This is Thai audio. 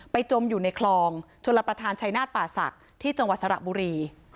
จมอยู่ในคลองชลประธานชายนาฏป่าศักดิ์ที่จังหวัดสระบุรี